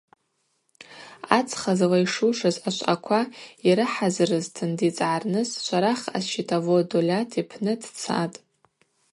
Ацха злайшушыз ашвъаква йрыхӏазырызтын дицӏгӏарныс Шварах асчетовод Дольат йпны дцатӏ.